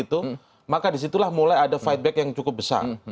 itu maka disitulah mulai ada fight back yang cukup besar